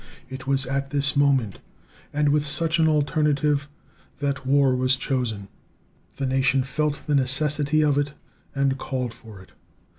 It was at this moment and with such an alternative that war was chosen. The nation felt the necessity of it, and called for it.